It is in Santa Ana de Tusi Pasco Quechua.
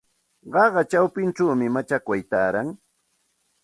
Qaqa chawpinchawmi machakway taaran.